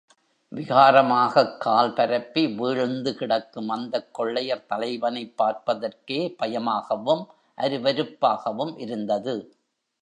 விகாரமாகக் கால் பரப்பி வீழ்ந்து கிடக்கும் அந்தக் கொள்ளையர் தலைவனைப் பார்ப்பதற்கே பயமாகவும் அரு வருப்பாகவும் இருந்தது.